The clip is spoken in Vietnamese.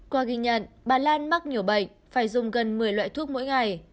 qua ghi nhận bà lan mắc nhiều bệnh phải dùng gần một mươi loại thuốc mỗi ngày